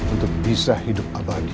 untuk bisa hidup abadi